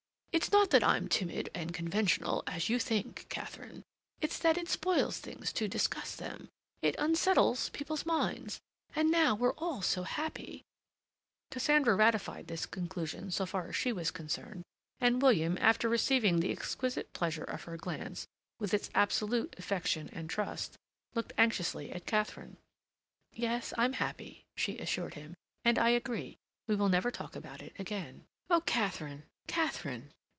It's not that I'm timid and conventional, as you think, Katharine. It's that it spoils things to discuss them; it unsettles people's minds; and now we're all so happy—" Cassandra ratified this conclusion so far as she was concerned, and William, after receiving the exquisite pleasure of her glance, with its absolute affection and trust, looked anxiously at Katharine. "Yes, I'm happy," she assured him. "And I agree. We will never talk about it again." "Oh, Katharine, Katharine!"